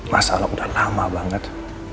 masalah udah lama banget